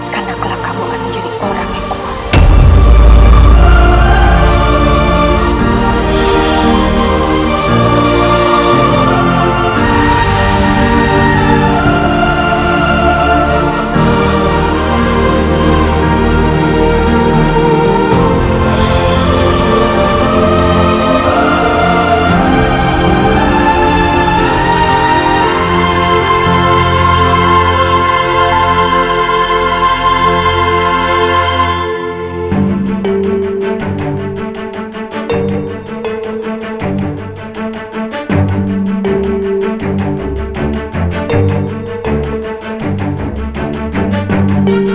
karena telah kamu menjadi orang yang kuat